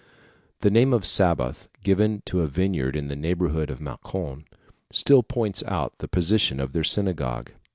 The name of Sabath, given to a vineyard in the neighbourhood of Mâcon, still points out the position of their synagogue.